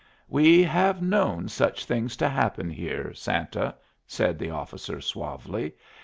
"We have known such things to happen here, Santa," said the officer, suavely.